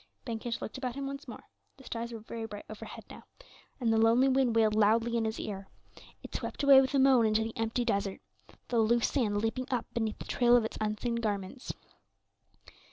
Ben Kish looked about him once more; the stars were very bright over head now, and the lonely wind wailed loudly in his ear; it swept away with a moan into the empty desert, the loose sand leaping up beneath the trail of its unseen garments.